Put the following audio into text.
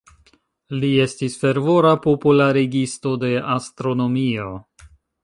Li estis fervora popularigisto de astronomio.